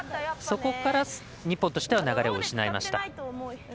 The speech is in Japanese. そこから日本としては流れを失いました。